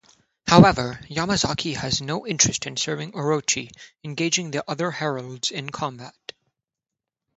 However, Yamazaki has no interest in serving Orochi, engaging the other Heralds in combat.